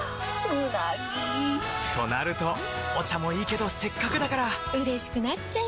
うなぎ！となるとお茶もいいけどせっかくだからうれしくなっちゃいますか！